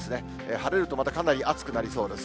晴れるとまたかなり暑くなりそうです。